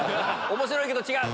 面白いけど違う！